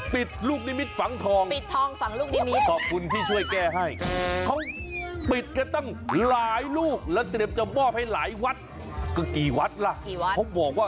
ปิดลูกนิมิตฝังทอง